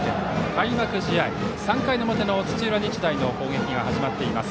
開幕試合、３回の表の土浦日大の攻撃が始まっています。